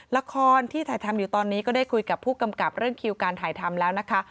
ละครที่ถ่ายทำอยู่ตอนนี้ก็ได้คุยกับผู้กำกับเรื่องคิวการถ่ายทำแล้วนะคะ